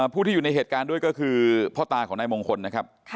ผู้ที่อยู่ในเหตุการณ์ด้วยก็คือพ่อตาของนายมงคลนะครับ